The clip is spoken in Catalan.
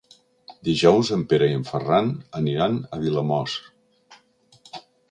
Dijous en Pere i en Ferran aniran a Vilamòs.